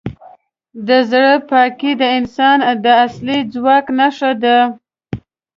د زړه پاکي د انسان د اصلي ځواک نښه ده.